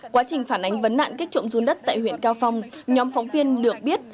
quá trình phản ánh vấn nạn kích trộm run đất tại huyện cao phong nhóm phóng viên được biết